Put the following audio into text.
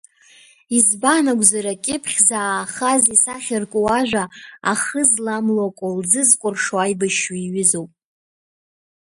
Избан акәзар, акьыԥхь заахаз исахьарку ажәа ахы зламло акәалӡы зкәыршо аибашьҩы иҩызоуп!